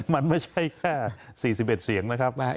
มันไม่ใช่แค่๔๑เสียงนะครับ